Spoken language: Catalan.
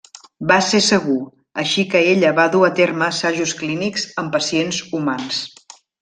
Va ser segur, així que ella va dur a terme assajos clínics amb pacients humans.